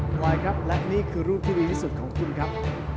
พลอยครับและนี่คือรูปที่ดีที่สุดของคุณครับ